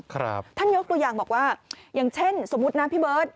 ท่านยกตัวอย่างบอกว่าอย่างเช่นสมมุตินะพี่เบิร์ต